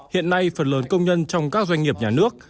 hiện nay phần lớn công nhân trong các doanh nghiệp nhà nước